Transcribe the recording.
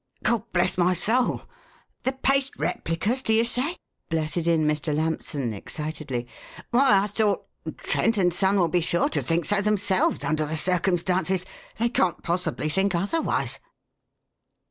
"God bless my soul! The paste replicas, do you say?" blurted in Mr. Lampson excitedly. "Why, I thought Trent & Son will be sure to think so themselves under the circumstances! They can't possibly think otherwise."